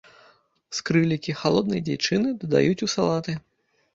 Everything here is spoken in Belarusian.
Скрылікі халоднай дзічыны дадаюць у салаты.